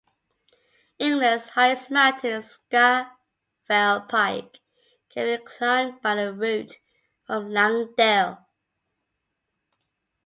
England's highest mountain, Scafell Pike, can be climbed by a route from Langdale.